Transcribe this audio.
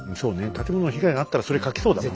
建物の被害があったらそれ書きそうだもんね。